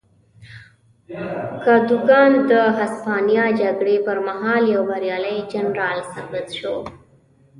کادوګان د هسپانیا جګړې پر مهال یو بریالی جنرال ثابت شو.